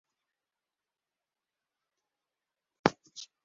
— Мин Гөлшанды яратам, тип